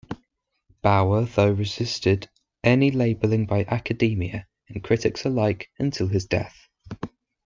Bauer though resisted any labelling by academia and critics alike until his death.